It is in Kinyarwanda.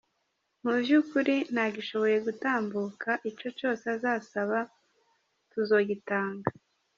Muvyo ukuri ntagishoboye gutambuka, ico cose azosaba tuzogitanga.